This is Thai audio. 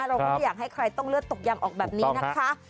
เราก็ไม่อยากให้ใครต้องเลือดตกยังออกแบบนี้นะคะ